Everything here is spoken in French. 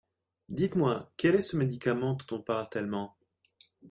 Dites-moi quel est ce médicament dont on parle tellement.